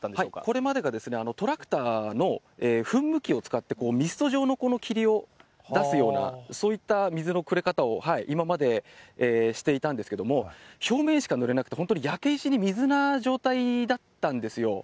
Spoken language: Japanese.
これまでがトラクターの噴霧器を使ってミスト状の霧を出すような、そういった水のくべ方を今までしていたんですけれども、表面しかぬれなくて、本当に焼け石に水な状態だったんですよ。